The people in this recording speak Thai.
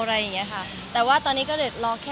มีปิดฟงปิดไฟแล้วถือเค้กขึ้นมา